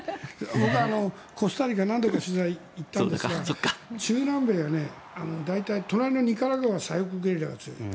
僕は、コスタリカ何度か取材で行ったんですが中南米は大体、隣のニカラグアが強い。